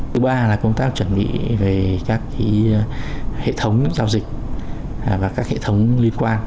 thứ ba là công tác chuẩn bị về các hệ thống giao dịch và các hệ thống liên quan